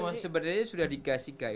ya sebenarnya sudah dikasih guidance